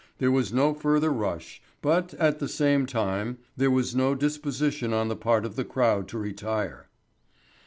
There was no further rush, but at, the same time there was no disposition on the part of the crowd to retire.